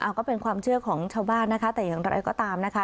ก็เป็นความเชื่อของชาวบ้านนะคะแต่อย่างไรก็ตามนะคะ